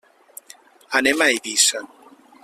Anem a Eivissa.